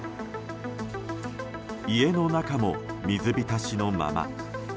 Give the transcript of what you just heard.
家の中も水浸しのまま。